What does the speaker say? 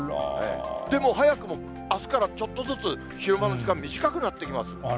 でも早くも、あすからちょっとずつ昼間の時間、短くなっていきます。